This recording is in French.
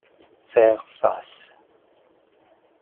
Faire face